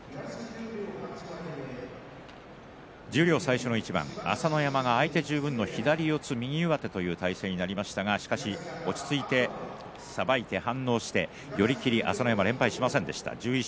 十両最初の一番は朝乃山が相手十分の形になりましたが落ち着いてさばいて反応して寄り切り朝乃山、連敗しませんでした。